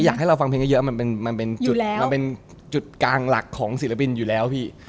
อยากให้เราฟังเพลงเยอะมันเป็นจุดมันเป็นจุดกลางหลักของศิลปินอยู่แล้วพี่